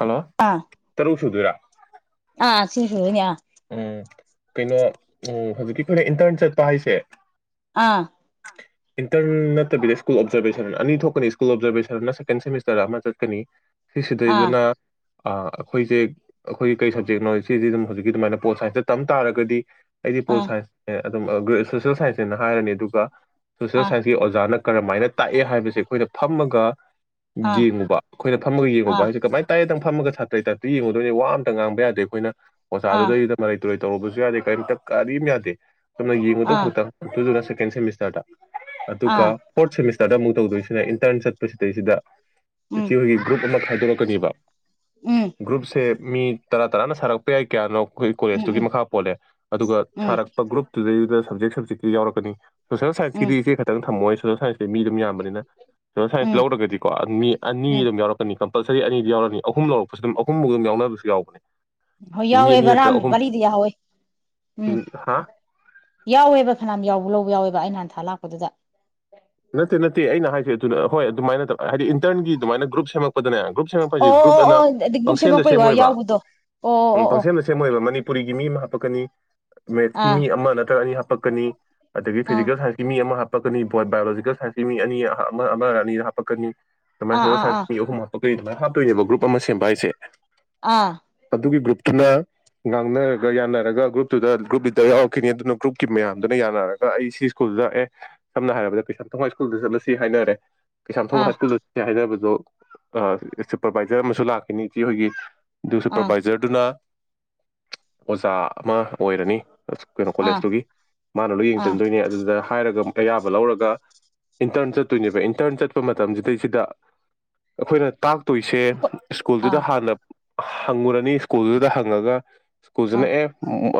Hello ꯇꯔꯨꯛ ꯁꯨꯗꯣꯏꯔꯥ ꯑ ꯁꯤꯤꯡ ꯌꯥ ꯎꯝ ꯀꯩꯅꯣ ꯎꯝ ꯍꯧꯖꯤꯛꯀꯤ ꯑꯩꯈꯣꯏꯅ ꯏꯟꯇꯔꯟ ꯆꯠꯄ ꯍꯥꯏꯁꯦ ꯑꯥ ꯏꯟꯇꯔ ꯅꯠꯇꯕꯤꯗ ꯁ꯭ꯀꯨꯜ ꯑꯣꯕꯖꯔꯕꯦꯁꯟ ꯑꯅꯤ ꯊꯣꯛꯀꯅꯤ ꯁ꯭ꯀꯨꯜ ꯑꯣꯕꯖꯔꯕꯦꯁꯟ ꯁꯦꯀꯦꯟ ꯁꯦꯃꯤꯁꯇꯔ ꯑꯃ ꯆꯠꯀꯅꯤ ꯁꯤꯁꯤꯗ ꯑꯥ ꯏꯅ ꯑꯩꯈꯣꯏꯁꯦ ꯑꯩꯈꯣꯏꯒꯤ ꯀꯩ ꯁꯞꯖꯦꯛꯅꯣ ꯁꯤꯁꯦ ꯑꯗꯨꯝ ꯍꯧꯖꯤꯛꯀꯤ ꯑꯗꯨꯃꯥꯏꯅ ꯄꯣꯠ ꯁꯥꯏꯟꯁꯇ ꯇꯝ ꯇꯥꯔꯒꯗꯤ ꯑꯩꯗꯤ ꯑꯥ ꯄꯣꯜꯁꯥꯏꯁ ꯑꯗꯨꯝ ꯁꯣꯁꯦꯜ ꯁꯥꯏꯟꯁꯅꯦꯅ ꯍꯥꯏꯔꯅꯤ ꯑꯗꯨꯒ ꯁꯣꯁꯦꯜ ꯁꯥꯏꯟꯁꯀꯤ ꯑꯣꯖꯥꯅ ꯀꯔꯝꯥꯏꯅ ꯇꯥꯛꯑꯦ ꯍꯥꯏꯕꯁꯦ ꯑꯩꯈꯣꯏꯅ ꯊꯝꯃꯒ ꯑꯥ ꯑꯥ ꯌꯦꯡꯉꯨꯕ ꯑꯩꯈꯣꯏꯅ ꯐꯝꯃꯒ ꯌꯦꯡꯉꯨꯕ ꯍꯥꯏꯁꯦ ꯀꯃꯥꯏꯅ ꯇꯥꯏ ꯐꯝꯃ ꯁꯥꯇ꯭ꯔꯩ ꯇꯥ꯭ꯔꯤ ꯌꯦꯡꯉꯗꯣꯏꯅꯤ ꯋꯥ ꯑꯃꯇꯥꯡꯕ ꯌꯥꯗꯦ ꯑꯩꯈꯣꯏꯅ ꯑꯣꯁ ꯑꯥ ꯑꯥ ꯑꯗꯨꯗ ꯏꯗ ꯇꯔꯣꯏ ꯇꯧꯔꯨꯔꯕꯁꯨ ꯌꯥꯗꯦ ꯀꯔꯤꯝꯇ ꯀꯔꯤꯝ ꯌꯥꯗꯦ ꯁꯝꯅ ꯌꯦꯡꯉꯨꯗꯧ ꯑꯥ ꯈꯛꯇ ꯑꯗꯨꯗꯨꯅ ꯀꯩꯅꯁꯦꯃꯤꯁ ꯇꯔ ꯑꯗꯨ ꯑꯥ ꯀ ꯄꯣꯠꯁꯁ ꯆꯗ ꯑꯃꯨꯛ ꯇꯧꯗꯣꯏꯁꯤꯅ ꯏꯟꯇꯔꯟ ꯆꯠꯄꯁꯤꯗꯩꯁꯤꯗ ꯎꯝ ꯍ ꯭ꯔꯨ ꯈꯥꯏꯗꯣꯔꯛꯀꯅꯤꯕ ꯎꯝ ꯭ꯔꯨꯨꯞꯁꯦ ꯃꯤ ꯇꯔꯥ ꯇꯔꯥꯅ ꯁꯥꯔꯛꯄ ꯌꯥꯏ ꯀꯌꯥꯅꯣ ꯑꯩꯈꯣꯏ ꯀꯣꯂꯦꯖꯇꯨꯒꯤ ꯎꯝ ꯃꯈꯥ ꯄꯣꯜꯂꯦ ꯑꯗꯨꯒ ꯎꯝ ꯁꯥꯔꯛꯄ ꯒ꯭ꯔꯨꯞꯇꯨꯗꯩꯗꯨꯗ ꯁꯞꯖꯦꯛ ꯖꯤꯤ ꯌꯥꯎꯔꯛꯀꯅꯤ ꯁꯣꯁꯦꯜ ꯎꯝ ꯁꯥꯏꯟꯁꯀꯤꯗꯤ ꯏꯦ ꯈꯤꯛꯇꯪ ꯊꯝꯃꯣꯏ ꯊꯥꯏ ꯁꯦ ꯃꯤ ꯑꯗꯨꯝ ꯌꯥꯝꯕꯅꯤꯅ ꯁꯣꯁꯦꯜ ꯁꯥꯏꯟꯁ ꯎꯝ ꯂꯧꯔꯒꯗꯤꯀꯣ ꯃꯤ ꯑꯅꯤ ꯎꯝ ꯑꯗꯨꯝ ꯌꯥꯎꯔꯛꯀꯅꯤ ꯀ ꯀꯝꯜꯁꯔꯤ ꯑꯅꯤꯗꯤ ꯌꯥꯎꯔꯅꯤ ꯑꯍꯨꯝ ꯂꯧꯔꯛꯄꯁꯨ ꯑꯗꯨ ꯑꯍꯃꯥꯎ ꯑꯗꯨꯝ ꯌꯥꯎꯅꯕꯁꯨ ꯌꯥꯎꯕꯅꯦ ꯍꯣꯏ ꯃꯤ ꯌꯥꯎꯋꯦ ꯑꯅꯤ ꯚꯥꯔꯥ꯫ ꯅꯠꯇ꯭ꯔ ꯆꯥꯝ ꯑꯍꯨꯝ ꯕꯥꯔꯤꯗꯤ ꯌꯥꯎꯍꯧꯋꯦ ꯎꯝ ꯌꯥꯎꯋꯦꯕ ꯐꯅꯥꯝ ꯌꯥꯎꯕ ꯂꯧꯕ ꯌꯥꯎꯋꯦꯕ ꯑꯩ ꯅꯍꯥꯟꯊꯥ ꯂꯥꯛꯄ꯫ ꯗꯨꯗ꯫ ꯅꯠꯇꯦ ꯅꯠꯇꯦ ꯑꯩꯅ ꯍꯥꯏꯁꯦ꯫ ꯑꯗꯨꯅ ꯍꯣꯏ ꯑꯗꯨꯃꯥꯏꯅ ꯇ-ꯍꯥꯏꯗꯤ ꯏꯟꯇ꯭ꯔꯟꯒꯤ ꯑꯗꯨꯃꯥꯏꯅ ꯒ꯭ꯔꯨꯞ ꯁꯦꯝꯃꯛꯄꯗꯅꯦ ꯒ꯭ꯔꯨꯞ ꯁꯦꯝꯃꯛꯄ ꯑꯣ ꯍꯥꯏꯁꯦ ꯑꯣ ꯒ꯭ꯔꯨꯞ ꯑꯣ ꯑꯣ ꯑꯅ ꯑꯗꯤ ꯒ꯭ꯔꯨꯞ ꯄꯪꯁꯦꯝꯗ ꯁꯦꯝꯃꯛꯄꯩ ꯋꯥ ꯁꯦꯝꯃꯣꯏꯕ ꯌꯥꯎꯕꯗꯣ ꯑꯣ ꯑꯣ ꯑꯣ ꯑꯣ꯫ ꯄꯨꯔꯤꯒꯤ ꯃꯤ ꯑꯃ ꯍꯥꯞꯄꯛꯀꯅꯤ꯫ ꯃꯦꯠꯁꯀꯤ ꯑꯥ ꯃꯤ ꯑꯃ ꯅꯠꯇ꯭ꯔ ꯑꯅꯤ ꯍꯥꯞ ꯄꯀꯅꯤ꯫ ꯑꯗꯒꯤ ꯑꯥ ꯐꯤꯖꯤꯀꯦꯜ ꯁꯥꯏꯟꯁꯀꯤ ꯃꯤ ꯑꯃ ꯍꯥꯞ ꯄꯛꯀꯅꯤ ꯕꯣꯠ ꯕꯥꯌꯣꯂꯣꯖꯤ꯫ ꯀꯦꯜ ꯁꯥꯏꯟꯁꯀꯤ ꯃꯤ ꯑꯅꯤ ꯑꯃ ꯑꯃꯔ ꯑꯅꯤꯔ ꯍꯥꯞꯄꯛꯀꯅꯤ꯫ ꯑꯃꯥꯏ ꯁꯣꯁꯦꯜ ꯑꯥ ꯑꯥ ꯁꯥꯏꯟꯁꯀꯤ ꯃꯤ ꯑꯍꯨꯝ ꯍꯥꯄꯛ ꯀꯩ ꯑꯗꯨꯃꯥꯏꯅ ꯍꯥꯞꯇꯣꯏꯅꯦꯕ ꯒ꯭ꯔꯨꯞ ꯑꯃ ꯁꯦꯝꯕ ꯍꯥꯏꯁꯦ꯫ ꯑꯥ꯫ ꯑꯗꯨꯒꯤ ꯒ꯭ꯔꯨꯞꯇꯨꯅ ꯉꯥꯡꯅꯔꯒ ꯌꯥꯅꯔꯒ ꯒ꯭ꯔꯨꯞꯇꯨꯗ ꯒ꯭ꯔꯨꯞ ꯂꯤꯗꯔ ꯌꯥꯎꯔꯛꯈꯤꯅꯤ ꯑꯗꯨꯅ ꯒ꯭ꯔꯨꯞꯀꯤ ꯃꯌꯥꯝꯗꯨꯅ ꯌꯥꯅꯔꯒ ꯑꯩ ꯁꯤ ꯁ꯭ꯀꯨꯜꯗ ꯑꯦ ꯁꯝꯅ ꯍꯥꯏꯔꯕꯗ ꯀꯩꯁꯥꯝ ꯊꯣꯡ ꯍꯥꯏꯁ꯭ꯀꯨꯜꯗ ꯆꯠꯂꯁꯤ ꯍꯥꯏꯅꯔꯦ꯫ ꯀꯩꯁꯥꯝꯊꯣꯡ ꯑꯥ ꯍꯥꯏꯁ꯭ꯀꯨꯜꯗ ꯆꯠꯁꯤ ꯍꯥꯏꯅꯕ꯫ ꯑꯗꯣ ꯑ-ꯁꯨꯄꯔꯚꯥꯏꯖꯔ ꯑꯃꯁꯨ ꯂꯥꯛꯈꯤꯅꯤ ꯏꯆꯦ ꯍꯣꯏꯒꯤ꯫ ꯑꯗꯨ ꯑꯥ ꯁꯨꯄꯔꯚꯥꯏꯖꯔꯗꯨꯅ꯫ ꯑꯣꯖꯥ ꯑꯃ ꯑꯣꯏꯔꯅꯤ꯫ ꯑ ꯀꯩꯅꯣ ꯑꯥ ꯀꯣꯂꯦꯖꯇꯨꯒꯤ ꯃꯥꯅ ꯂꯣꯏ ꯑꯥ ꯑꯥ ꯌꯦꯡꯖꯟꯗꯣꯏꯅꯦ ꯑꯗꯨꯗ ꯍꯥꯏꯔꯒ꯫ ꯑꯌꯥꯕ ꯂꯧꯔꯒ꯫ ꯏꯟꯇ꯭ꯔꯟ ꯆꯠꯇꯣꯏꯅꯦꯕ ꯏꯟꯇ꯭ꯔꯟ ꯆꯠꯄ ꯃꯇꯝꯁꯤꯗꯩꯁꯤꯗ ꯑꯩꯈꯣꯏꯅ ꯇꯥꯛ꯫ ꯇꯣꯏꯁꯦ ꯑꯥ ꯁ꯭ꯀꯨꯜꯗꯨꯗ ꯍꯥꯟꯅ꯫ ꯍꯪꯉꯨꯔꯅꯤ ꯁ꯭ꯀꯨꯜꯗꯨꯗ ꯍꯪꯉꯒ꯫ ꯑꯥ ꯑꯥ ꯁ꯭ꯀꯨꯜꯖꯤꯅ ꯑꯦ꯫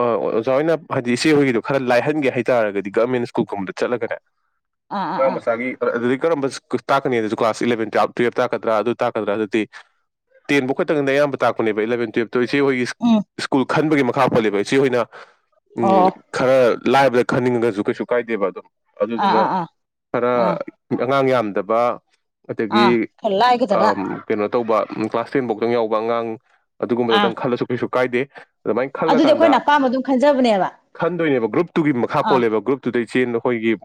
ꯑꯣꯖꯥ ꯍꯣꯏꯅ ꯍꯥꯏꯗꯤ ꯏꯆꯦ ꯍꯣꯏꯒꯤꯗꯣ ꯈꯔ ꯂꯥꯏꯍꯟꯒꯦ ꯍꯥꯏꯇꯥꯔꯒꯗꯤ ꯒꯃꯦꯟ ꯁ꯭ꯀꯨꯜꯒꯨꯝꯕꯗ ꯆꯠꯂꯒꯅꯦ꯫ ꯑꯥ ꯑꯥ ꯑꯉꯥꯡꯃꯆꯥꯒꯤ꯫ ꯀꯔꯝꯕ ꯁ꯭ꯀꯨ ꯇꯥꯛꯀꯅꯤꯗꯨꯁꯨ ꯀ꯭ꯂꯥꯁ ꯏꯂꯚꯦꯟ ꯇꯨꯋꯦꯞ ꯇꯥꯛꯀꯗ꯭ꯔꯥ ꯑꯗꯨ ꯇꯥꯛꯀꯗ꯭ꯔꯥ ꯑꯗꯨꯗꯤ꯫ ꯇꯦꯟꯕꯨ ꯈꯛꯇꯪꯗ ꯑꯌꯥꯝꯕ ꯇꯥꯛꯄ꯫ ꯄꯅꯦꯕ ꯏꯂꯚꯦꯟ ꯇꯨꯋꯦꯞ꯫ ꯗꯨ ꯏꯆꯦ ꯍꯣꯏꯒꯤ ꯎꯝ ꯁ꯭ꯀꯨꯜ ꯈꯟꯕꯒꯤ ꯃꯈꯥ ꯄꯣꯂꯦꯕ ꯏꯆꯦꯍꯣꯏꯅ꯫ ꯑꯣ꯫ ꯂꯥꯏꯕꯗ ꯈꯟꯅꯤꯡꯉꯒꯁꯨ ꯀꯩꯁꯨ ꯀꯥꯏꯗꯦꯕ ꯑꯗꯨꯝ꯫ ꯑꯥ ꯑꯗꯨꯗꯨꯅ ꯑꯥ ꯑꯥ ꯑꯥ ꯈꯔ ꯑꯉꯥꯡ ꯌꯥꯝꯗꯕ ꯑꯥ ꯑꯗꯒꯤ ꯈꯔ ꯑ ꯂꯥꯏꯒꯗꯕ ꯀꯩꯅꯣ ꯇꯧꯕ ꯀ꯭ꯂꯥꯁ ꯇꯦꯟꯐꯧꯗꯪ ꯌꯥꯎꯕ ꯑꯉꯥꯡ ꯑꯥ ꯑꯗꯨꯒꯨꯝꯗꯇꯪ ꯈꯜꯂꯁꯨ ꯀꯩꯁꯨ ꯀꯥꯏꯗꯦ ꯑꯗꯨꯃꯥꯏꯅ ꯑꯗꯨꯗꯤ ꯈꯜꯂꯀꯥꯟꯗ ꯑꯩꯈꯣꯏꯅ ꯑꯄꯥꯝꯕ ꯑꯗꯨꯝ ꯈꯟꯖꯕꯅꯦꯕ ꯇꯨꯒꯤ ꯃꯈꯥ ꯑꯥ ꯄꯣꯜꯂꯦꯕ ꯒ꯭ꯔꯨꯞꯇꯨꯗꯒꯤ ꯆꯦꯟ ꯑꯩꯈꯣꯏꯒꯤ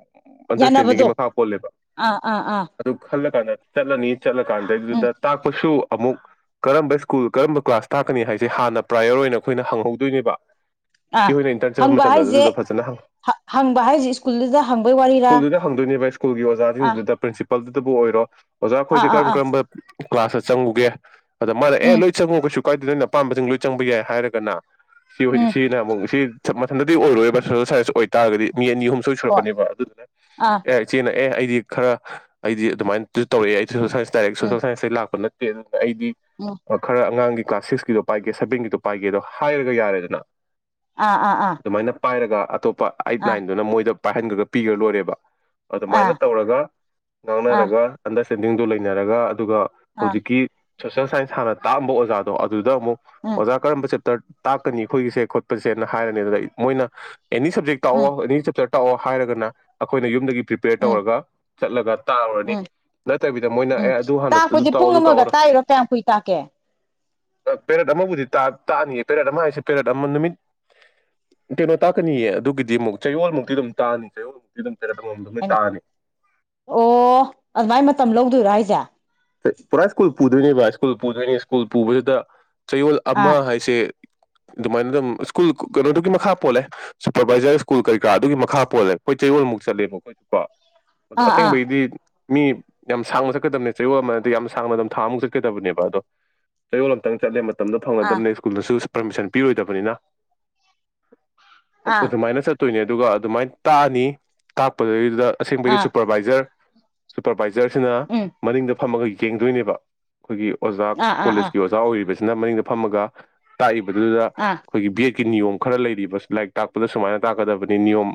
ꯑꯟꯗꯁ ꯌꯥꯅꯕꯗꯣ [unintelligible] ꯃꯈꯥ ꯄꯣꯂꯦꯕ ꯑꯥ ꯑꯥ ꯑꯥ ꯑꯗꯨ ꯈꯜꯂ ꯆꯠꯂꯅꯤ ꯆꯠꯂ ꯀꯥꯟ ꯎꯝ ꯗꯨꯗ ꯇꯥꯛꯄꯁꯨ ꯑꯃꯨꯛ ꯀꯔꯝꯕ ꯁ꯭ꯀꯨꯜ ꯀꯔꯝꯕ ꯀ꯭ꯂꯥꯁ ꯇꯥꯛꯀꯅꯤ ꯍꯥꯏꯁꯦ ꯍꯥꯟꯅ ꯄ꯭ꯔꯥꯏꯌꯣꯔ ꯑꯣꯏꯅ ꯑꯩꯈꯣꯏꯅ ꯍꯪꯍꯧꯗꯣꯏꯅꯦꯕ ꯑ ꯏꯆꯦ ꯍꯣꯏꯅ ꯏꯟꯇꯔꯟ ꯆꯠꯄ ꯍꯪꯕ ꯃꯇꯝꯗ ꯍꯥꯏꯁꯦ ꯑꯗꯨꯗꯣ ꯐꯖꯅ ꯍꯪꯕ ꯍꯥꯏꯁꯦ ꯁ꯭ꯀꯨꯜꯗꯨꯗ ꯍꯪꯕꯩ ꯋꯥꯔꯤꯔ ꯁ꯭ꯀꯨꯜꯗꯨꯗ ꯍꯪꯗꯣꯢꯅꯦꯕ ꯁ꯭ꯀꯜꯒꯤ ꯑꯣꯖꯥꯖꯤꯡꯗꯨꯗ ꯄ꯭ꯔꯤꯟꯄꯜ ꯄꯜꯗꯨꯗꯕꯨ ꯑꯣꯏꯔꯣ ꯑꯣꯖꯥ ꯑꯥ ꯑꯩꯈꯣꯏꯁꯦ ꯑꯥ ꯀꯔꯝ ꯑꯥ ꯀꯔꯝꯕ ꯀ꯭ꯂꯥꯁꯇ ꯆꯪꯉꯨꯒꯦ ꯑꯗ ꯃꯥꯅꯦ ꯑꯦ ꯎꯝ ꯂꯣꯏ ꯆꯪꯉꯨ ꯀꯩꯁꯨ ꯀꯥꯏꯗꯦ ꯅꯪꯅ ꯑꯄꯥꯝꯕꯁꯤꯡ ꯂꯣꯏ ꯆꯪꯕ ꯌꯥꯏ ꯍꯥꯏꯔꯒꯅ ꯁꯤ ꯎꯝ ꯁꯤ ꯁꯤ ꯊꯟꯗꯗꯤ ꯑꯣꯏꯔꯣꯏꯕ ꯁꯣꯁꯦꯜ ꯁꯥꯢꯟꯁ ꯑꯣꯏꯇꯥꯔꯒꯗꯤ ꯃꯤ ꯑꯅꯤ ꯑꯍꯨꯝ ꯁꯣꯏ ꯍꯣꯏ ꯁꯨꯔꯛꯀꯅꯦꯕ ꯑꯗꯨꯗꯨꯅ ꯑꯥ ꯑꯦ ꯆꯤꯅ ꯑꯦ ꯑꯩꯗꯤ ꯈꯔ ꯑꯩꯗꯤ ꯑꯗꯨꯃꯥꯏꯅ ꯇꯧꯔꯛꯑꯦ ꯑꯩ ꯁꯣꯁꯦꯜ ꯁꯥꯏꯁ ꯗꯥꯔꯦꯛ ꯎꯝ ꯁꯣꯁꯦꯜ ꯁꯟꯁꯇꯩ ꯂꯥꯛꯄ ꯅꯠꯇꯦ ꯄꯦ ꯑꯩꯗꯤ ꯎꯝ ꯈꯔ ꯑꯉꯥꯡꯒꯤ ꯀ꯭ꯂꯥꯁ ꯁꯤꯛꯁꯀꯤꯗꯣ ꯄꯥꯏꯒꯦ ꯁꯕꯦꯟꯒꯤꯗꯣ ꯄꯥꯏꯒꯦꯗꯣ ꯍꯥꯏꯔꯒ ꯌꯥꯔꯦꯗꯅ ꯑꯥ ꯑꯥ ꯑꯥ ꯑꯗꯨꯃꯥꯏꯅ ꯄꯥꯏꯔꯒ ꯑꯇꯣꯞ ꯑꯩꯠ ꯑꯥ ꯅꯥꯏꯟꯗꯨꯅ ꯃꯣꯏꯗ ꯄꯥꯏꯍꯟꯈ꯭ꯔꯒ ꯄꯤꯔ ꯂꯣꯏꯔꯦ [unintelligible] ꯑꯥ ꯑꯗꯨꯃꯥꯏꯅ ꯇꯧꯔꯒ ꯑꯥ ꯉꯥꯡꯅꯔꯒ ꯑꯟꯗꯔ ꯏꯁꯇꯦꯟꯗꯤꯡꯗꯨꯣ ꯂꯩꯅꯔꯒ ꯑꯗꯨꯒ ꯑꯥ ꯍꯧꯖꯤꯛꯀꯤ ꯁꯣꯁꯦꯜ ꯁꯥꯏꯟꯁ ꯍꯥꯟꯅ ꯇꯥꯛꯑꯝꯕ ꯑꯣꯖꯥꯗꯣ ꯑꯗꯨꯗ ꯑꯃꯨꯛ ꯎꯝ ꯑꯣꯖꯥ ꯀꯔꯝꯕ ꯆꯠ ꯇꯥꯛꯀꯅꯤ ꯑꯩꯈꯣꯏꯒꯤꯁꯦ ꯈꯣꯠꯄꯁꯦꯅ ꯍꯥꯏꯔꯅꯤ ꯑꯗꯨꯗ ꯃꯣꯏꯅ ꯑꯦꯅꯤ ꯁꯞꯖꯦꯛꯇꯣ ꯎꯝ ꯑꯦꯅꯤ ꯁꯖꯦꯛ ꯇꯛꯑꯣ ꯍꯥꯏꯔꯒꯅ ꯑꯩꯈꯣꯏꯅ ꯌꯨꯝꯗꯒꯤ ꯄ꯭ꯔꯤꯄꯦꯌꯔ ꯎꯝ ꯇꯧꯔꯒ ꯆꯠꯂꯒ ꯇꯥꯔꯨꯔꯅꯤ ꯎꯝ ꯅꯠꯇꯕꯤꯗ ꯃꯣꯏꯅ ꯎꯝ ꯑꯦ ꯑꯗꯨ ꯍꯥꯟꯅ ꯑꯗꯨ ꯇꯥꯛꯄꯁꯦ ꯇꯥꯛꯑꯣ ꯄꯨꯡ ꯑꯗꯨ ꯑꯃꯒ ꯇꯧꯑꯣꯔ ꯇꯥꯛꯏꯔꯣ ꯀꯌꯥꯝ ꯀꯨꯏ ꯇꯥꯛꯀꯦ ꯄꯦꯔꯦꯠ ꯑꯃꯕꯨꯗꯤ ꯇꯥꯛꯑꯅꯤꯌꯦ ꯄꯦꯔꯦꯠ ꯑꯃ ꯍꯥꯏꯁꯦ ꯄꯦꯔꯦꯠ ꯑꯃ ꯅꯨꯃꯤꯠ ꯀꯩꯅꯣ ꯇꯥꯛꯀꯅꯤꯌꯦ ꯑꯗꯨꯒꯤꯗꯤ ꯑꯃꯨꯛ ꯆꯌꯣꯜꯃꯨꯛꯇꯤ ꯑꯗꯨꯝ ꯇꯥꯑꯅꯤ ꯆꯌꯣꯜꯃꯨꯛꯇ ꯏꯝ ꯍꯥꯏꯅ ꯑꯣ ꯑꯗꯨꯃꯥꯏ ꯃꯇꯝ ꯂꯧꯗꯣꯏꯔꯥ ꯍꯥꯏꯁꯦ ꯄꯔꯥꯏ ꯁ꯭ꯀꯨꯜ ꯄꯨꯗꯣꯏꯅꯤ ꯚꯥꯏ ꯁ꯭ꯀꯨꯜ ꯄꯨꯗꯣꯏꯅꯤ ꯁ꯭ꯀꯨꯜ ꯄꯨꯕꯁꯤꯗ ꯆꯌꯣꯜ ꯑꯃ ꯑꯥ ꯍꯥꯏꯁꯦ ꯑꯗꯨꯃꯥꯏꯅ ꯑꯗꯨꯝ ꯁ꯭ꯀꯨꯜ ꯀꯩꯅꯣꯗꯨꯒꯤ ꯃꯈꯥ ꯄꯣꯜꯂꯦ ꯁꯨꯄꯔꯚꯥꯏꯖꯔ ꯁ꯭ꯀꯨꯜ ꯀꯩꯀꯥ ꯑꯗꯨꯒꯤ ꯃꯈꯥ ꯄꯣꯜꯂꯦ ꯑꯩꯈꯣꯏ ꯆꯌꯣꯜꯃꯨꯛ ꯆꯠꯂꯦꯕ ꯑꯩꯈꯣꯏꯁꯨ ꯀꯣ ꯑ ꯑꯥ ꯑꯥ ꯑꯁꯦꯡꯕꯒꯤꯗꯤ ꯃꯤ ꯌꯥꯝ ꯁꯥꯡꯅ ꯆꯠꯀꯗꯕꯅꯦ ꯆꯌꯣꯜ ꯑꯃꯗꯗꯤ ꯌꯥꯝ ꯁꯥꯡꯕ ꯃꯇꯝ ꯊꯥꯃꯨꯛ ꯆꯠꯀꯗꯕꯅꯦ ꯑꯗꯣ ꯆꯌꯣꯜ ꯑꯃꯝꯇꯪ ꯆꯠꯂꯦ ꯇꯝꯗ ꯑꯥ ꯐꯪꯅꯗꯕꯅꯦ ꯁ꯭ꯀꯨꯜꯗꯁꯨ ꯄꯥꯔꯃꯤꯁꯟ ꯄꯤꯔꯣꯏꯗꯕꯅꯤꯅ ꯑꯥ ꯃꯥꯏꯟꯁꯠꯇ ꯅ ꯑꯗꯨꯒ ꯑꯗꯨꯃꯥꯏꯅ ꯇꯥꯛꯑꯅꯤ ꯇꯥꯛꯄꯗꯩꯗꯨꯗ ꯑꯁꯦꯡꯕꯩꯗꯤ ꯑꯥ ꯁꯨꯄꯔꯕꯥꯏꯖꯔ ꯁꯨꯄꯔ ꯄꯥꯏꯁ ꯁꯅꯥ ꯎꯝ ꯑꯗꯨꯗ ꯐꯝꯃꯒ ꯌꯦꯡꯗꯣꯏꯅꯦꯕ ꯑꯩꯈꯣꯏꯒꯤ ꯑꯣꯖꯥ ꯑꯥ ꯑꯥ ꯑꯥ ꯀꯣꯂꯦꯖꯀꯤ ꯑꯣꯖꯥ ꯑꯣꯏꯔꯤꯕꯁ ꯁꯤꯅ ꯃꯅꯤꯡꯗ ꯐꯝꯃꯒ ꯇꯥꯛꯏꯕ ꯗꯨꯗ ꯑꯥ ꯑꯩꯈꯣꯏꯒꯤ ꯕꯤ ꯅꯤꯌꯣꯝ ꯈꯔ ꯂꯩꯔꯤꯕ ꯂꯥꯏꯔꯤꯛ ꯇꯥꯛꯄꯗ ꯁꯨꯃꯥꯏꯅ ꯇꯥꯛꯀꯗꯕꯅꯤꯣꯝ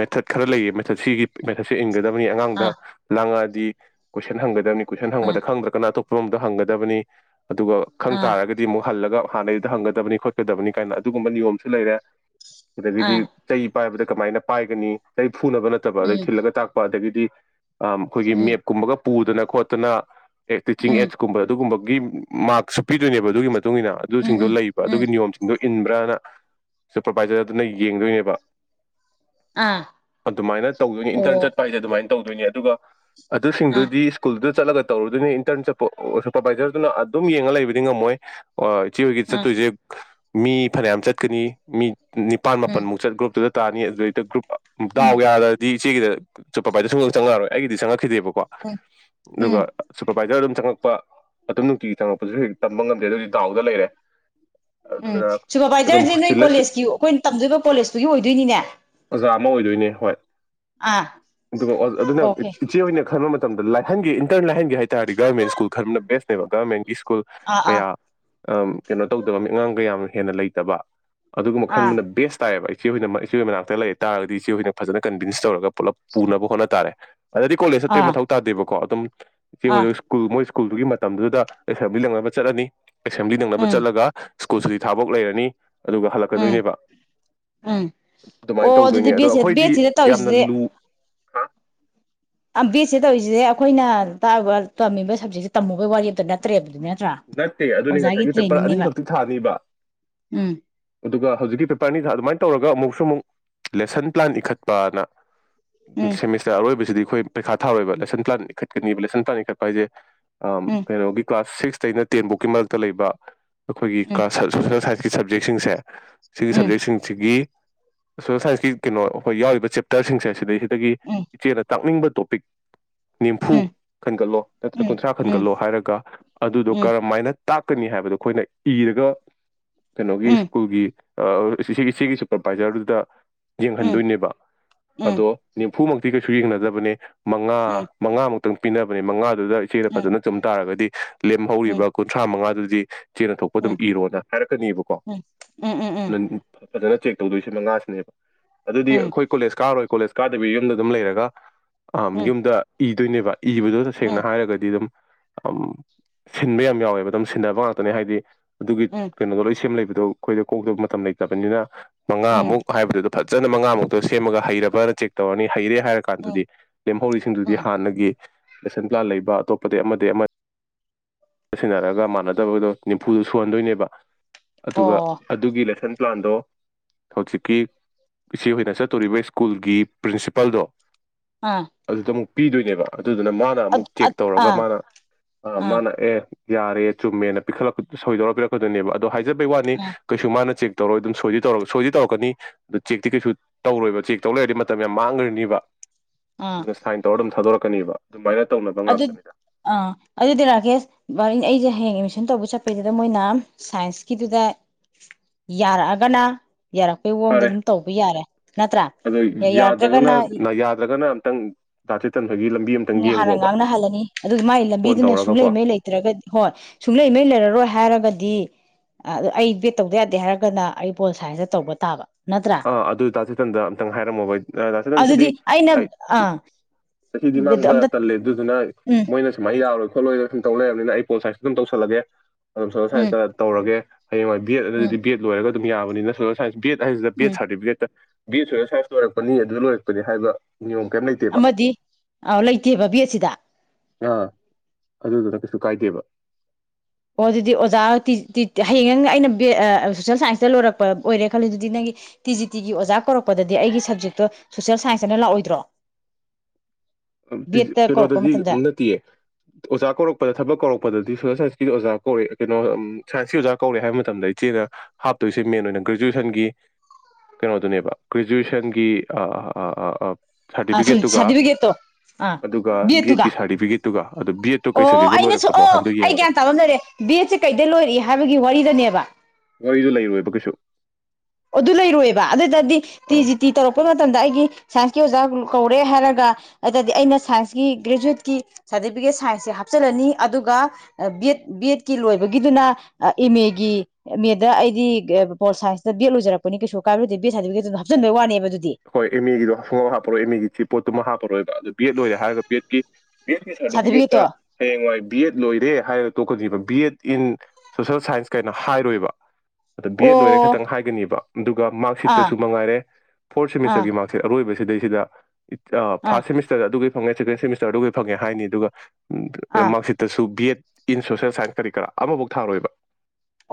ꯃꯦꯊꯠ ꯈꯔ ꯂꯩꯌꯦ ꯃꯦꯊꯠ ꯁꯤꯒꯤ ꯃꯦꯊꯠꯁꯦ ꯏꯟꯒꯗꯕ ꯑꯥ ꯑꯉꯥꯡꯗ ꯂꯥꯡꯉ ꯒꯤ ꯀꯣꯏꯟ ꯍꯪꯒꯗꯕꯅꯤ ꯀꯣꯏꯁꯟ ꯍꯪ ꯑꯥ ꯈꯪ꯭ꯔ ꯀꯅꯥ ꯐꯤꯕꯝꯗꯣ ꯍꯪꯒꯗꯕꯅꯤ ꯑꯗꯨꯒ ꯈꯪ ꯑꯥ ꯇꯥꯔꯒꯗꯤ ꯑꯃꯨꯛ ꯍꯜꯂꯒ ꯍꯥꯟꯅꯩꯗꯨꯗ ꯍꯪꯒꯗꯕꯅꯤ ꯈꯣꯠꯀꯗꯕꯅꯤ ꯀꯥꯏꯅ ꯑꯗꯨꯒꯨꯝꯕ ꯅꯤꯌꯣꯝꯁꯨ ꯂꯩꯔꯦ ꯀꯗꯗꯤ ꯑꯥ ꯆꯩꯩ ꯄꯥꯏꯕꯗ ꯀꯃꯥꯏꯅ ꯄꯥꯏꯒꯅꯤ ꯐꯨꯅꯕ ꯅꯠꯇꯕ ꯑꯗꯗꯒꯤ ꯎꯝ ꯊꯤꯜꯂꯒ ꯇꯥꯛꯄ ꯑꯗꯒꯤ ꯎ ꯑ ꯑꯩꯈꯣꯏꯒꯤ ꯎꯝ ꯃꯦꯞꯀꯨꯝꯕꯒ ꯄꯨꯗꯅ ꯈꯣꯠꯇꯅ ꯑꯦ ꯇꯤꯆꯤꯡ ꯎꯝ ꯑꯦꯞ ꯀꯨꯝꯕ ꯑꯗꯨꯒꯨꯝ ꯒꯤ ꯃꯥꯛꯁꯁꯨ ꯄꯤꯗꯣꯏꯅꯦꯕ ꯑꯗꯨꯒꯤ ꯃꯇꯨꯡ ꯏꯟꯅ ꯎꯝ ꯑꯗꯨꯁꯤꯡꯗꯣ ꯎꯝ ꯂꯩꯕ ꯎꯝ ꯑꯗꯨꯒꯤ ꯅꯤꯌꯣꯝ ꯁꯤꯡꯗꯣ ꯏꯟꯕ꯭ꯔꯅ ꯁꯨꯄꯔꯚꯥꯏꯖꯔ ꯑꯗꯨꯅ ꯌꯦꯡꯗꯣꯏꯅꯦꯕ ꯑꯥ ꯑꯗꯨꯃꯥꯏꯅ ꯇꯧꯒꯅꯤ ꯏꯟꯇꯔꯟ ꯑꯣ ꯆꯠꯄ ꯍꯥꯏꯁꯦ ꯑꯗꯨꯃꯥꯏꯅ ꯇꯧꯗꯣꯏꯅꯦ ꯑꯗꯨꯒ ꯑꯗꯨꯁꯤꯡꯗꯨ ꯑꯥ ꯁꯜꯗ ꯆꯠꯂꯒ ꯇꯧꯔꯨꯗꯨꯣꯏꯅꯤ ꯏꯟꯇꯔꯟ ꯁꯨꯄꯔꯚꯥꯏꯖꯔꯗꯨꯅ ꯑꯗꯨꯝ ꯌꯦꯡꯉ ꯂꯩꯕꯗꯤ ꯉꯝꯃꯣꯏ ꯑꯣ ꯏꯆꯦ ꯍꯣꯏꯒꯤ ꯑꯥ ꯆꯠꯇꯣꯏꯁꯦ ꯃꯤ ꯐꯅꯌꯥꯝ ꯆꯠꯀꯅꯤ ꯃꯤ ꯅꯤꯄꯥꯜ ꯎꯝ ꯃꯥꯄꯟꯃꯨꯛ ꯆꯠ ꯒ꯭ꯔꯨꯞꯇꯨꯗ ꯇꯥꯔꯅꯤ ꯑꯗꯨꯗꯩꯗ ꯒ꯭ꯔꯨꯞ ꯗꯥꯎ ꯎꯝ ꯌꯥꯗꯗꯤ ꯏꯦꯒꯤꯗ ꯁꯨꯄꯥꯔꯕꯥꯏꯖꯔ ꯁꯨꯡꯗꯪꯉꯛꯔꯣꯏ ꯑꯩꯒꯤꯗꯤ ꯆꯪꯉꯛꯈꯤꯗꯦꯕ ꯎꯝ ꯑꯗꯨꯒ ꯎꯝ ꯁꯨꯄꯔꯚꯥꯏꯖꯔ ꯑꯗꯨꯝ ꯆꯪꯉꯛꯄ ꯑꯗꯨꯝ ꯅꯨꯡꯇꯤꯒꯤ ꯆꯪꯉꯛꯄꯁꯨ ꯍꯦꯛ ꯇꯝꯕ ꯉꯝꯗ꯭ꯔꯦ ꯑꯗꯨꯗꯤ ꯇꯥꯎꯗ ꯂꯩꯔꯦ ꯎꯝ ꯑꯗꯨꯗꯨꯅ ꯑꯗꯨꯝ ꯁꯨꯄꯔꯚꯥꯏꯖꯔꯁꯦ ꯅꯣꯏ ꯁꯤꯜꯂ ꯀꯣꯂꯦꯖꯀꯤ ꯑꯩꯈꯣꯏꯅ ꯇꯝꯗꯣꯏꯕ ꯀꯣꯂꯦꯖꯇꯨꯒꯤ ꯑꯣꯏꯗꯣꯏꯅꯤꯅꯦ ꯑꯣꯖꯥ ꯑꯃ ꯑꯣꯏꯗꯣꯏꯅꯦ ꯍꯣꯏ ꯑꯥ ꯑꯗꯨꯅ ꯑꯣꯀꯦ ꯏꯆꯦ ꯈꯣꯏꯅ [unintelligible] ꯂꯥꯏꯍꯟꯒꯤ ꯏꯟꯇꯔ ꯂꯥꯏꯍꯒꯦ ꯍꯥꯏ ꯒꯃꯦꯟ ꯁꯀꯨꯜ ꯈꯟꯕꯅ ꯕꯤꯁ꯭ꯠ ꯕꯒ ꯅꯦꯕ ꯁ꯭ꯀꯨꯜ ꯑꯥ ꯑꯥ ꯀꯌꯥ ꯀꯩꯅꯣ ꯇꯧꯗꯕ ꯃꯤ ꯑꯉꯥꯡꯒ ꯌꯥꯝ ꯍꯦꯟꯅ ꯂꯩꯇꯕ ꯑꯗꯨꯒꯨꯝꯕ ꯑꯥ ꯈꯟꯕ ꯕꯦꯁ ꯇꯥꯏꯌꯦꯕ ꯑꯩꯦ ꯏꯆꯦ ꯈꯣꯏ ꯅꯥꯛꯇ ꯂꯩꯔ ꯇꯔꯒꯗꯤ ꯏꯆꯦ ꯑꯩꯈꯣꯏꯅ ꯐꯖꯅ ꯀꯟꯚꯤꯟꯁ ꯇꯧꯔꯒ ꯄꯨꯂꯞ ꯄꯨꯅꯕ ꯍꯣꯠꯅ ꯇꯔꯦ ꯑꯗꯨꯗꯗꯤ ꯀꯣꯂꯦꯖ ꯆꯠꯇꯣꯏ ꯑꯥ ꯃꯊꯧ ꯌꯥꯗꯦꯕꯀꯣ ꯑꯗꯨꯝ ꯑꯥ ꯁꯀꯨꯜ ꯃꯣꯏ ꯁ꯭ꯀꯨꯜꯗꯨꯒꯤ ꯃꯇꯝꯗꯨꯗ ꯑꯦꯁꯦꯝꯕ꯭ꯂꯤ ꯂꯪꯅꯕ ꯆꯠꯂꯅꯤ ꯑꯦꯁꯦꯝꯕ꯭ꯂꯤ ꯅꯪꯅꯕ ꯎꯝ ꯆꯠꯂꯒ ꯁ꯭ꯀꯨꯜꯁꯨꯗꯤ ꯊꯕꯛ ꯂꯩꯔꯅꯤ ꯑꯗꯨꯒ ꯎꯝ ꯍꯜꯂꯛꯀꯗꯣꯏꯅꯦꯕ ꯎꯝ ꯑꯗꯨꯃꯥꯏꯅ ꯑꯣ ꯑꯗꯨꯗꯤ ꯇꯧꯗꯣꯏꯅꯦ ꯑꯗꯣ ꯕꯦꯠꯁꯦ ꯑꯩꯈꯣꯏꯗꯤ ꯕꯦꯠꯁꯤꯗ ꯌꯥꯝꯅ ꯇꯧꯔꯤꯁꯤꯗꯤ ꯂꯨ ꯑ ꯕꯤ ꯑꯦꯠꯁꯦ ꯇꯧꯔꯤꯁꯤꯁꯦ ꯑꯩꯈꯣꯏꯅ ꯇꯥꯛꯏꯕ ꯇꯝꯃꯤꯕ ꯁꯞꯖꯦꯛꯁꯦ ꯇꯝꯃꯨꯕꯒꯤ ꯋꯥꯔꯦꯞꯇ ꯅꯠꯇ꯭ꯔꯦꯕꯗꯨꯅ ꯅꯠꯇꯦ ꯑꯗꯨꯅꯤ ꯉꯁꯥꯏꯒꯤ ꯄꯦꯄꯔ ꯑꯅꯤꯈꯛꯇꯤ ꯊꯥꯅꯤꯕ ꯎꯝ ꯑꯗꯨꯒ ꯍꯧꯖꯤꯛꯀꯤ ꯄꯦꯄꯔ ꯑꯅꯤ ꯊꯥ ꯑꯗꯨꯃꯥꯏꯅ ꯇꯧꯔꯒ ꯑꯃꯨꯛ ꯁꯃꯨꯛ ꯂꯦꯁꯟ ꯄ꯭ꯂꯥꯟ ꯏꯈꯠꯄꯅ ꯎꯝ ꯁꯦꯝꯦꯃꯤꯁꯦꯣꯣꯏꯦꯁꯤꯗꯤ ꯑꯩꯈꯣꯏ ꯄꯩꯈꯥ ꯊꯥꯔꯣꯏꯕꯥꯏꯁꯟ ꯄ꯭ꯂꯥꯟ ꯏꯈꯠꯀꯅꯤꯕ ꯂꯥꯏꯁꯟ ꯄ꯭ꯂꯥꯟ ꯏꯈꯠꯄ ꯍꯥꯏꯁꯦ ꯑ ꯎꯝ ꯀꯩꯅꯣ ꯀ꯭ꯂꯥꯁ ꯁꯤꯛꯁ ꯑꯩꯅ ꯇꯦꯟꯕꯨꯛꯀꯤ ꯃꯔꯛꯇ ꯂꯩꯕ ꯎꯝ ꯑꯩꯈꯣꯏꯒꯤ ꯁꯞꯖꯦꯛꯁꯤꯡꯁꯦ ꯁꯤꯒꯤ ꯎꯝ ꯁꯕꯖꯦꯛꯁꯤꯡꯁꯤꯒꯤ ꯁꯣꯁꯦꯜ ꯁꯥꯏꯟꯁꯀꯤ ꯀꯩꯅꯣ ꯑꯩꯈꯣꯏ ꯌꯥꯎꯔꯤꯕ ꯆꯦꯞꯇꯔꯁꯤꯡꯁꯦ ꯁꯤꯗꯩꯁꯤꯗ ꯑꯒꯤ ꯎꯝ ꯏꯆꯦꯅ ꯇꯥꯛꯅꯤꯡꯕ ꯇꯣꯄꯤꯛ ꯅꯤꯝꯐꯨ ꯎꯝ ꯈꯟꯒꯠꯂꯣ ꯅꯠꯇ꯭ꯔ ꯎꯝ ꯀꯨꯟꯊ꯭ꯔꯥ ꯎꯝ ꯈꯟꯒꯠꯂꯣ ꯍꯥꯏꯔꯒ ꯗꯗꯨ ꯎꯝ ꯀꯔꯝ ꯃꯥꯏꯅ ꯇꯥꯛꯀꯅꯤ ꯍꯥꯏꯕꯗꯣ ꯑꯩꯈꯣꯏꯅ ꯏꯔꯒ ꯀꯩꯅꯣꯒꯤ ꯎꯝ ꯁ꯭ꯀꯨꯜꯒꯤ ꯁꯤ ꯁꯤꯒꯤ ꯁꯨꯄꯔꯚꯥꯏꯖꯔꯗꯨꯗ ꯎꯝ ꯎꯝ ꯌꯦꯡꯍꯟꯗꯣꯏꯅꯦꯕ ꯎꯝ ꯑꯗꯣ ꯐꯨꯃꯛꯇꯤ ꯀꯩꯁꯨ ꯌꯦꯡꯅꯗꯕꯅꯦ ꯃꯉꯥ ꯎꯝ ꯎꯝ ꯎꯝ ꯎꯝ ꯎꯝ ꯎꯝ ꯎꯝ ꯎꯝ ꯃꯉꯥꯃꯛ ꯇꯪꯄꯤꯅꯕꯅꯤ ꯃꯉꯥ ꯑꯗꯨꯗ ꯏꯆꯦꯗ ꯐꯖꯅ ꯆꯨꯝ ꯇꯥꯔꯒꯗꯤ ꯂꯦꯝꯍꯧꯔꯤꯕ ꯀꯨꯟꯊ꯭ꯔꯥ ꯃꯉꯥꯗꯨꯗꯤ [unintelligible] ꯆꯦꯅ ꯊꯣꯛꯄ ꯑꯗꯨꯝ ꯏꯔꯣꯅ ꯍꯥꯏꯔꯛꯀꯅꯦꯕꯀꯣ ꯎꯝ ꯎꯝ ꯑꯗꯨ ꯐꯖꯅ ꯆꯦꯛ ꯇꯧꯗꯣꯏꯁꯤ ꯃꯉꯥꯁꯤꯅꯦꯕ ꯑꯗꯨꯗꯤ ꯑꯩꯈꯣꯏ ꯀꯣꯂꯦꯖ ꯀꯥꯔꯔꯣꯏ ꯀꯣꯂꯦꯖ ꯀꯥꯗꯕꯤ ꯌꯨꯝꯗ ꯑꯗꯨꯝ ꯂꯩꯔꯒ ꯑ ꯎꯝ ꯎꯝ ꯎꯝ ꯌꯨꯝꯗ ꯇꯣꯏꯅꯦꯕ ꯏꯕꯗꯣ ꯇꯁꯦꯡꯅ ꯍꯥꯏꯔꯒꯗꯤ ꯑꯗꯨꯝ ꯑꯝ ꯁꯤꯟꯕ ꯌꯥꯝ ꯌꯥꯎꯋꯦꯕ ꯑꯗꯨꯝ ꯁꯤꯟꯅꯕ ꯉꯥꯛꯇꯅꯦ ꯍꯥꯏꯗꯤ ꯑꯗꯨꯒꯤ ꯀꯩꯅꯣꯗꯣ ꯂꯣꯏ ꯁꯦꯝ ꯂꯩꯕꯗ ꯑꯗꯣ ꯑꯩꯈꯣꯏꯗ ꯀꯣꯛꯇꯕ ꯃꯇꯝ ꯂꯩꯇꯕꯅꯤꯅ ꯃꯉꯥꯃꯨꯛ ꯍꯥꯏꯕꯗꯨꯗ ꯐꯖꯦ ꯐꯖꯅ ꯃꯉꯥꯃꯨꯛꯇꯣ ꯁꯦꯝꯃꯒ ꯍꯩꯔꯕ꯭ꯔꯅ ꯆꯦꯛ ꯇꯧꯔꯅꯤ ꯍꯩꯔꯦ ꯍꯥꯏꯔ ꯀꯥꯟꯗꯗꯤ ꯂꯦꯝꯍꯧꯔꯤꯁꯤꯡꯗꯨꯗꯤ ꯍꯥꯟꯅꯒꯤ ꯂꯦꯁꯟ ꯄ꯭ꯂꯥꯟ ꯂꯩꯕ ꯑꯇꯣꯞꯄꯗꯤ ꯑꯃꯗꯤ ꯑꯃ ꯁꯤꯟꯅꯔꯒ ꯃꯥꯟꯅꯗꯕꯗꯣ ꯅꯤꯝꯐꯨꯗꯣ ꯁꯨꯍꯟꯗꯣꯏꯅꯦꯕ ꯑꯗꯨꯒ ꯑꯣ ꯑꯗꯨꯒꯤ ꯂꯦꯁꯟ ꯄ꯭ꯂꯥꯟꯗꯣ ꯍꯧꯖꯤꯛꯀꯤ ꯏꯆꯦꯍꯣꯏꯅ ꯆꯠꯇꯣꯔꯤꯕ ꯁ꯭ꯀꯨꯜꯒꯤ ꯄ꯭ꯔꯤꯟꯁꯤꯄꯥꯜꯗꯣ ꯑꯥ ꯑꯗꯨꯗꯃꯨꯛ ꯄꯤꯗꯣꯏꯅꯦꯕ ꯑꯗꯨꯗꯨꯅ ꯃꯥꯅ ꯑꯃꯨꯛ ꯑꯥ ꯆꯦꯛ ꯇꯧꯔꯒ ꯑꯥ ꯃꯥꯅ ꯑꯥ ꯃꯥꯅ ꯌꯥꯔꯦ ꯆꯨꯝꯃꯦꯅ ꯄꯤꯈꯠꯂꯛ ꯁꯣꯏꯇꯧꯔ ꯄꯤꯔꯛꯀꯗꯣꯏꯅꯦꯕ ꯗꯣ ꯍꯥꯏꯖꯕꯩ ꯋꯥꯅꯤ ꯀꯩꯁꯨ ꯃꯥꯅ ꯆꯦꯛ ꯇꯧꯔ ꯑꯗꯨꯝ ꯁꯣꯏꯗꯤ ꯇꯧꯔ ꯁꯣꯏꯗꯤ ꯇꯧꯔꯛꯀꯅꯤ ꯑꯗꯨ ꯆꯦꯛꯇꯤ ꯀꯩꯁꯨ ꯇꯧꯔꯣꯏꯕ ꯆꯦꯛ ꯇꯧ ꯂꯩꯔꯗꯤ ꯃꯇꯝ ꯌꯥꯝ ꯃꯥꯡꯈ꯭ꯔꯅꯤꯕ ꯑꯥ ꯁꯥꯠꯟ ꯇꯧꯔ ꯑꯗꯨꯝ ꯊꯥꯗꯣꯛꯂꯛ ꯀꯅꯤꯕ ꯑꯗꯨ ꯑꯥ ꯑꯗꯨꯗꯤ ꯔꯥꯀꯦꯁ ꯑꯩꯁꯦ ꯍꯌꯦꯡ ꯑꯦꯠꯃꯤꯁꯟ ꯇꯧꯕ ꯆꯠꯄꯗꯨꯗ ꯃꯣꯏꯅ ꯁꯥꯏꯟꯁꯀꯤꯗꯨꯗ ꯌꯥꯔꯛꯑꯒꯅ ꯌꯥꯔꯛꯄꯩ ꯃꯑꯣꯡꯗ ꯐꯔꯦ ꯑꯗꯨꯝ ꯇꯧꯕ ꯌꯥꯔꯦ ꯅꯠꯇ꯭ꯔꯥ ꯑꯗꯣ ꯌꯥꯔꯛꯇ꯭ꯔꯒꯅ ꯈꯤꯇꯪ ꯇꯗꯥ ꯆꯦꯇꯟ ꯍꯣꯏꯒꯤ ꯂꯝꯕꯤ ꯑꯝꯇꯪ ꯍꯥꯟꯅ ꯌꯦꯡꯒꯣꯕ ꯉꯥꯡꯅꯍꯜꯂꯅꯤ ꯑꯗꯨ ꯃꯒꯤ ꯐꯣꯟ ꯂꯝꯕꯤꯗꯨꯅ ꯇꯧꯔꯒꯀꯣ ꯁꯨꯡꯂꯩꯃꯩ ꯂꯩꯇ꯭ꯔꯒꯗꯤ ꯍꯣꯏ ꯁꯨꯡꯂꯩꯃꯩ ꯂꯩꯔꯔꯣꯏ ꯍꯥꯏꯔꯒꯗꯤ ꯑꯩ ꯕꯦꯠ ꯇꯧꯗ ꯌꯥꯗꯦ ꯍꯥꯏꯔꯒꯅ ꯑꯩ ꯕꯣꯜ ꯁꯥꯏꯟꯁꯇ ꯇꯧꯕ ꯇꯥꯕ ꯅꯠꯇ꯭ꯔꯥ ꯑꯥ ꯑꯗꯨ ꯇꯥꯆꯦꯇꯟꯗ ꯑꯝꯇꯪ ꯍꯥꯏꯔꯝꯃꯣꯕ ꯇꯥꯆꯦꯇꯟꯁꯤꯗꯤ ꯑꯗꯨꯗꯤ ꯑꯩꯅ ꯑꯥ ꯐꯤꯗꯤ ꯃꯥꯡꯕ ꯑꯝꯇ ꯇꯜꯂꯦ ꯑꯗꯨꯗꯨꯅ ꯎꯝ ꯃꯣꯏꯅ ꯁꯨꯃꯥꯏꯅ ꯑꯩ ꯌꯥꯔꯣꯏ ꯈꯣꯠꯂꯣꯏꯔꯣꯏ ꯁꯨꯝ ꯇꯧ ꯂꯩꯑꯔꯕꯅꯤꯅ ꯑꯩ ꯄꯣꯠꯥꯏꯁꯗ ꯑꯗꯨꯝ ꯇꯧꯁꯜꯂꯒꯦ ꯑꯗꯨꯝ ꯁ ꯎꯝ ꯁꯁ꯭ꯋꯥꯏꯁꯤꯗ ꯇꯧꯔꯒꯦ ꯍꯌꯦꯡꯋꯥ ꯦꯠ ꯎꯝ ꯑꯗꯨꯗꯤ ꯕꯦꯠ ꯂꯣꯏꯒ ꯌꯥꯕꯅꯤꯅ ꯦꯊ ꯎꯝ ꯁꯔꯇꯤꯐꯤꯦꯠ ꯕꯤ ꯑꯦꯁ ꯑꯣꯏ ꯁꯥꯏꯟꯁ ꯂꯣꯏꯔꯛꯄꯅꯤ ꯑꯗꯨ ꯂꯣꯏꯔꯛꯄꯅꯤ ꯍꯥꯏꯕ ꯅꯤꯌꯣꯝ ꯀꯩꯝ ꯂꯩꯇꯦꯕ ꯑꯃꯗꯤ ꯑ ꯂꯩꯇꯦꯕ ꯕꯦꯠꯁꯤꯗ ꯑꯥ ꯑꯗꯨꯗꯨꯅ ꯀꯩꯁꯨ ꯀꯥꯏꯗꯦꯕ ꯑꯣ ꯑꯗꯨꯗꯤ ꯑꯣꯖꯥ ꯍꯌꯦꯡ ꯅꯪ ꯑꯩꯅ ꯁꯣꯁꯦꯜ ꯁꯥꯏꯟꯁꯇ ꯂꯣꯏꯔꯛꯄ ꯑꯣꯏꯔꯦ ꯈꯜꯂꯤ ꯑꯗꯨꯗꯤ ꯅꯪꯒꯤ ꯇꯤ ꯖꯤ ꯇꯤꯒꯤ ꯑꯣꯖꯥ ꯀꯧꯔꯛꯄꯗꯗꯤ ꯑꯩꯒꯤ ꯁꯕꯖꯦꯛꯇꯣ ꯁꯣꯁꯦꯜ ꯁꯥꯏꯟꯁꯇꯅ ꯂꯥꯛꯑꯣꯏꯗ꯭ꯔꯣ ꯕꯦꯠꯇ ꯀꯧꯔꯛꯄ ꯀꯩꯅꯣꯗꯗꯤꯝ ꯃꯇꯝꯗ ꯅꯠꯇꯦꯌꯦ ꯑꯣꯖꯥ ꯀꯧꯔꯛꯄꯗ ꯊꯕꯛ ꯀꯧꯔꯛꯄꯗꯗꯤ ꯑꯗꯤ ꯁꯣꯁꯦꯜ ꯁꯥꯏꯟꯁꯀꯤꯗꯤ ꯑꯣꯖꯥ ꯀꯧꯔꯦ ꯀꯩꯅꯣ ꯁꯥꯏꯟꯁꯀꯤ ꯑꯣꯖꯥ ꯀꯧꯔꯦ ꯍꯥꯏꯕ ꯃꯇꯝꯗ ꯏꯆꯦꯅ ꯍꯥꯞꯇꯣꯏꯁꯦ ꯃꯦꯟ ꯑꯣꯏꯅ ꯒ꯭ꯔꯦꯖꯨꯋꯦꯁꯟꯒꯤ ꯀꯩꯅꯣꯗꯨꯅꯦꯕ ꯒ꯭ꯔꯦꯖꯨꯋꯦꯁꯟꯒꯤ ꯑ ꯁ ꯁꯥꯔꯇꯤꯐꯤꯀꯦꯠꯇꯨꯒ ꯁꯥꯗꯤꯕꯤꯒꯦꯠꯇꯣ ꯑꯗꯨꯒ ꯒꯠꯀꯤ ꯁꯥꯔꯇꯤꯐꯤꯦ ꯇꯨꯒ ꯑꯣ ꯑꯩꯅ ꯁ ꯑꯣ ꯑꯩ ꯌꯦꯡꯉꯔꯣꯏ ꯒ꯭ꯌꯥꯟ ꯇꯥꯃꯝꯗꯔꯦ ꯕꯦꯠꯁꯦ ꯀꯩꯗ ꯂꯣꯏꯔꯛꯏ ꯍꯥꯏꯕꯒꯤ ꯋꯥꯔꯤꯗꯅꯦꯕ ꯃꯣꯏꯁꯨ ꯂꯩꯔꯣꯏꯕ ꯀꯩꯁꯨ ꯑꯗꯨ ꯂꯩꯔꯣꯏꯑꯕ ꯑꯗ ꯗꯗꯤ ꯇꯤ ꯑꯥ ꯖꯤ ꯇꯤ ꯇꯧꯔꯛꯄꯩ ꯃꯇꯝꯗ ꯑꯩꯒꯤ ꯁꯥꯏꯟꯁꯀꯤ ꯑꯣꯖꯥ ꯀꯧꯔꯦ ꯍꯥꯏꯔꯒ ꯑꯗꯨꯗꯤ ꯑꯩꯅ ꯁꯥꯏꯟꯁꯀꯤ ꯒ꯭ꯔꯦꯖꯨꯋꯦꯠꯀꯤ ꯁꯥꯔꯇꯤꯐꯤꯀꯦꯠ ꯁꯥꯏꯟꯁꯁꯦ ꯍꯥꯞꯆꯤꯜꯂꯅꯤ ꯑꯗꯨꯒ ꯕꯤ ꯑꯦꯗ ꯕꯤ ꯑꯦꯗꯀꯤ ꯂꯣꯏꯕꯒꯤꯗꯨꯅ ꯑꯦꯝ ꯑꯦꯒꯤ ꯑꯦꯝ ꯑꯦꯗ ꯑꯩꯗꯤ ꯄꯣꯜ ꯁꯥꯏꯟꯁ ꯕꯠ ꯂꯣꯏꯔꯛꯄꯅꯤ ꯀꯩ ꯀꯥꯏꯔꯗꯗꯤ ꯦꯠ ꯍꯥꯏꯕꯤꯒꯤ ꯑꯗꯨ ꯍꯥꯞꯆꯤꯟꯕ ꯋꯥꯅꯦꯕ ꯑꯗꯨꯗꯤ ꯍꯣꯏ ꯑꯦꯃꯤꯒꯤꯗꯣ ꯍꯨꯡꯥꯎ ꯍꯥꯞꯄꯔꯣꯏ ꯑꯦꯃꯤꯒꯤꯁꯤ ꯄꯣꯠꯇꯨꯃ ꯍꯥꯞꯄꯔꯣꯏꯕ ꯑꯗꯨ ꯕꯦꯠ ꯂꯣꯏꯔꯦ ꯍꯥꯏꯔꯒ ꯄꯕꯦꯠꯀꯤ ꯕꯤ ꯑꯦꯗꯀꯤ ꯁꯥꯔꯇꯤꯐꯤꯀꯦꯠꯇ ꯁꯥꯔꯇꯤꯐꯤꯀꯦꯠꯇꯣ ꯍꯌꯦꯡꯋꯥꯏ ꯕꯤ ꯑꯦꯗ ꯂꯣꯏꯔꯦ ꯍꯥꯏꯔꯒ ꯇꯣꯛꯀꯈꯤꯕ B Ed in social science ꯀꯥꯏꯅ ꯍꯥꯏꯔꯣꯏꯕ ꯑꯗꯣ ꯕꯤ ꯑꯦꯗ ꯂꯣꯏꯔꯦ ꯑꯣ ꯈꯇꯪ ꯍꯥꯏꯒꯅꯦꯕ ꯑꯗꯨꯒ ꯑꯥ ꯃꯥꯔꯛꯁꯤꯠꯇꯁꯨ ꯃꯉꯥꯏꯔꯦ ꯑꯥ ꯁ‌ꯦꯃꯤꯁꯇꯔꯒꯤ ꯃꯥꯛꯁꯤꯠ ꯑꯃꯥ ꯂꯣꯏꯕꯁꯤꯗꯩꯁꯤꯗ ꯑꯥ ꯐꯥꯔꯁ ꯁꯦꯃꯤꯁꯇꯔꯗ ꯑꯗꯨꯒ ꯐꯪꯉꯦ ꯁꯦꯀꯦꯟ ꯁꯦꯃꯤꯁꯇꯔ ꯑꯗꯨꯒꯤ ꯐꯪꯉꯦ ꯍꯥꯏꯅꯤ ꯑꯗꯨꯒ ꯑꯥ ꯃꯁꯤꯁꯤꯠꯇꯁꯨ B Ed in social science ꯀꯔꯤ ꯀꯔꯥ ꯑꯃꯐꯧ ꯊꯥꯔꯣꯏꯕ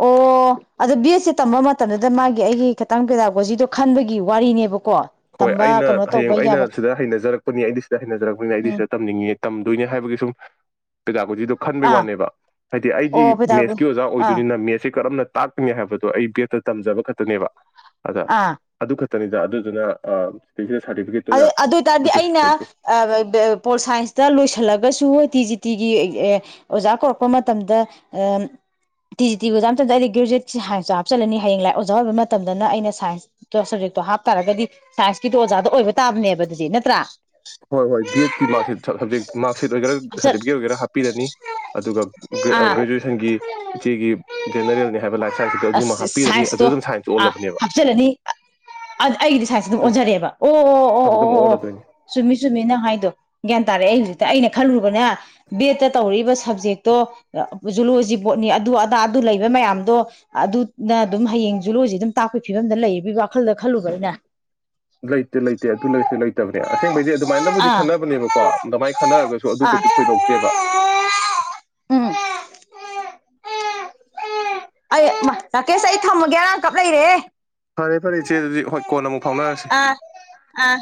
ꯑꯣ ꯑꯗꯨꯗꯣ ꯕꯤꯁꯁꯦ ꯇꯝꯕ ꯃꯇꯝꯗꯨꯗ ꯃꯥꯒꯤ ꯑꯩꯒꯤ ꯈꯤꯇꯪ ꯄꯦꯗꯥꯒꯣꯖꯤꯗꯣ ꯈꯟꯕꯒꯤ ꯋꯥꯔꯤꯅꯦꯕꯀꯣ ꯍꯣꯏ ꯇꯝꯕ ꯑꯩꯅ ꯀꯩꯅꯣ ꯇꯧꯕ ꯍꯌꯦꯡ ꯑꯩꯅ ꯌꯥꯕ ꯁꯤꯗ ꯍꯩꯅꯖꯔꯛꯄꯅꯤ ꯑꯩꯗꯤ ꯁꯤꯗ ꯍꯩꯅꯖꯔꯛꯄꯅꯤ ꯑꯩꯗꯤ ꯎꯝ ꯁꯤꯗ ꯇꯝꯅꯤꯡꯉ ꯇꯝꯗꯣꯏꯅꯦ ꯍꯥꯏꯕꯒꯤ ꯁꯨꯝ ꯀ ꯈꯟꯕꯒꯤ ꯑꯥ ꯋꯥꯅꯦꯕ ꯍꯥꯏꯗꯤ ꯑꯩꯗꯤ ꯑꯣ ꯄꯦꯗꯥꯒꯣ ꯃꯦꯠꯁꯀꯤ ꯑꯣꯖꯥ ꯑꯥ ꯑꯣꯏꯗꯣꯏꯅꯤꯅ ꯃꯦꯠꯁꯦ ꯀꯔꯝꯅ ꯇꯥꯛꯇ꯭ꯉꯩ ꯍꯥꯏꯕꯗꯣ ꯑꯩ ꯕꯦꯠꯇ ꯇꯝꯖꯕ ꯈꯛꯇꯅꯦꯕ ꯑꯗ ꯑꯥ ꯑꯗꯨ ꯈ ꯇꯅꯤꯗ ꯑꯗꯨꯗꯨꯅ ꯑ ꯑꯗꯨ ꯑꯗꯨ ꯑꯣꯏ ꯇꯔꯗꯤ ꯑꯩꯅ ꯄꯣꯜ ꯁꯥꯏꯟꯁꯇ ꯂꯣꯏꯁꯤꯜꯂꯒꯁꯨ ꯇꯤ ꯖꯤ ꯇꯤꯒꯤ ꯑꯣꯖꯥ ꯀꯧꯔꯛꯄ ꯃꯇꯝꯗ ꯇꯤ ꯖꯤ ꯇꯤ ꯑꯣꯖꯥ ꯃꯇꯝꯗ ꯑꯩꯗꯤ ꯒ꯭ꯔꯦꯖꯨꯋꯦꯠ ꯁꯥꯏꯟꯁꯇꯣ ꯍꯥꯞꯆꯜꯂꯅꯤ ꯍꯌꯦꯡ ꯂꯥꯏꯛ ꯑꯣꯖꯥ ꯑꯣꯏꯕ ꯃꯇꯝꯗꯅ ꯑꯩꯅ ꯁꯥꯏꯟꯁꯇꯣ ꯁꯞꯖꯦꯛꯇꯣ ꯍꯥꯞꯇꯥꯥꯔꯒꯗꯤ ꯁꯥꯏꯟꯁꯀꯤꯗꯤꯣ ꯑꯣꯖꯥꯗ ꯑꯣꯏꯕ ꯇꯥꯕꯅꯦꯕ ꯑꯗꯨꯗꯤ ꯅꯠꯇ꯭ꯔꯥ ꯍꯣꯏ ꯍꯣꯏ ꯕꯤ ꯑꯦꯠꯀꯤ ꯃꯥꯔꯛꯁꯤꯠ ꯁꯕꯖꯦꯛ ꯃꯥꯔꯛꯁꯤꯠ ꯑꯣꯏꯒꯦꯔꯥ ꯍꯥꯞꯆꯜ ꯁꯥꯔꯇꯤꯐꯤꯀꯦꯠ ꯑꯣꯏꯒꯦꯔꯥ ꯍꯥꯞꯄꯤꯔꯅꯤ ꯑꯗꯨꯒ ꯑꯥ ꯒ꯭ꯔꯦꯖꯨꯋꯦꯁꯟꯒꯤ ꯏꯆꯦꯒꯤ ꯖꯦꯅꯦꯔꯦꯜꯅꯤ ꯍꯥꯏꯕ ꯂꯥꯏꯞ ꯁꯥꯏꯟꯁꯁꯤꯗ ꯑꯗꯨꯃ ꯑꯁ ꯍꯥꯞꯄꯤꯔꯅꯤ ꯑꯗꯨ ꯁꯥꯏꯟꯁꯇꯣ ꯑꯗꯨꯝ ꯁꯥꯏꯟꯁꯇ ꯑꯥ ꯑꯣꯜꯂꯕꯅꯦꯕ ꯍꯥꯞꯆꯤꯜꯂꯅꯤ ꯑꯩꯒꯤꯗꯤ ꯁꯥꯏꯟꯁ ꯑꯗꯨꯝ ꯑꯣꯟꯖꯔꯦꯕ ꯑꯗꯨ ꯑꯗꯨꯝ ꯑꯣꯜꯂꯗꯣꯏꯅꯤ ꯁꯤꯁꯨꯃꯤꯅꯪ ꯍꯥꯏꯗꯣ ꯒ꯭ꯌꯥꯟ ꯇꯥꯔꯛꯑꯦ ꯑꯩ ꯍꯧꯖꯤꯛꯇ ꯑꯩꯅ ꯈꯜꯂꯨꯕꯅꯦ ꯕꯦꯠꯇ ꯇꯧꯔꯛꯏꯕ ꯁꯕꯖꯦꯛꯇꯣ ꯖꯨꯂꯣꯖꯤ ꯕꯣꯠꯅꯤ ꯑꯗꯨ ꯑꯗꯥ ꯑꯗꯨ ꯂꯩꯕ ꯃꯌꯥꯝꯗꯣ ꯑꯗꯨꯅ ꯑꯗꯨꯝ ꯍꯌꯦꯡ ꯖꯨꯂꯣꯖꯤ ꯑꯗꯨꯝ ꯇꯥꯛꯄꯒꯤ ꯐꯤꯕꯝꯗ ꯂꯩꯕꯒꯤ ꯋꯥꯈꯜꯗ ꯈꯜꯂꯨꯕꯅꯤꯅꯦ ꯂꯩꯇ ꯂꯩꯇ ꯑꯗꯨ ꯂꯩ ꯂꯩꯇꯕꯅꯦ ꯑꯁꯦꯡꯕꯩꯗꯤ ꯑꯗꯨꯃꯥꯏꯅꯕꯨꯗꯤ ꯑꯥ ꯈꯟꯅꯕꯅꯦꯕꯀꯣ ꯑꯗꯨꯃꯥꯏꯅ ꯈꯟꯅꯔꯒꯁꯨ ꯑꯗꯨ ꯑꯥ ꯀꯩꯁꯨ ꯊꯣꯏꯗꯣꯛꯇꯦꯕ ꯎꯝ ꯑꯩ ꯔꯥꯀꯦꯁ ꯑꯩ ꯊꯝꯃꯒꯦ ꯑꯉꯥꯡ ꯀꯞ ꯂꯩꯔꯦ ꯐꯔꯦ ꯐꯔꯦ ꯏꯆꯦ ꯑꯗꯨꯗꯤ ꯍꯣꯏ ꯀꯣꯟ ꯑꯃꯨꯛ ꯐꯥꯎꯅꯔꯁꯤ ꯑꯥ ꯑꯥ